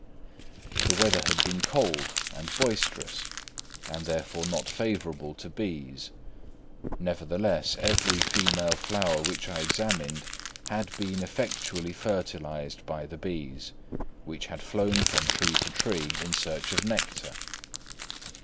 The weather had been cold and boisterous and therefore not favourable to bees, nevertheless every female flower which I examined had been effectually fertilised by the bees, which had flown from tree to tree in search of nectar.